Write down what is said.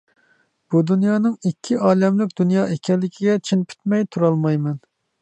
بۇ دۇنيانىڭ ئىككى ئالەملىك دۇنيا ئىكەنلىكىگە چىن پۈتمەي تۇرالمايمەن.